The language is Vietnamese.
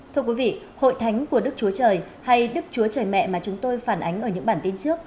thưa quý vị hội thánh của đức chúa trời hay đức chúa trời mẹ mà chúng tôi phản ánh ở những bản tin trước